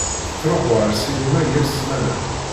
Tettṛuḥu ar ssinima yal ssmana.